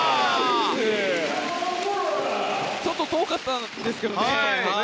ちょっと遠かったんですけどね。